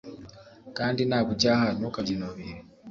kandi nagucyaha ntukabyinubire